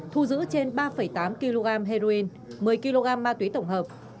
thu giữ trên ba tám kg heroin một mươi kg ma túy tổng hợp